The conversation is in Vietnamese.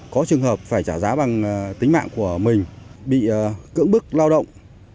có trường hợp phải trả giá bằng tính mạng của mình bị cưỡng bức lao động